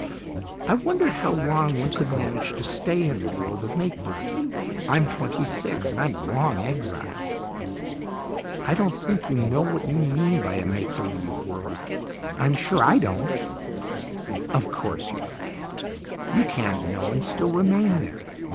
"I wondered how long one could manage to stay in the world of make believe. I'm twenty six, and I'm long exiled." "I don't think you know what you mean by a make believe world. I'm sure I don't." "Of course you don't. You can't know and still remain there.